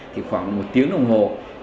thì khoảng một tiếng đồng hồ